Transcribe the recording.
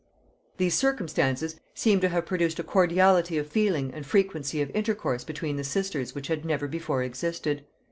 These circumstances seem to have produced a cordiality of feeling and frequency of intercourse between the sisters which had never before existed.